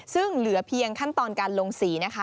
ซึ่งเหลือเพียงขั้นตอนการลงสีนะคะ